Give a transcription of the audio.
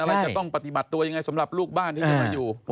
อะไรจะต้องปฏิบัติตัวยังไงสำหรับลูกบ้านที่จะมาอยู่